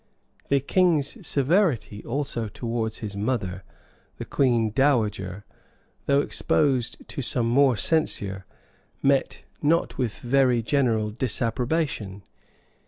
The king's severity also towards his mother, the queen dowager, though exposed to some more censure, met not with very, general disapprobation.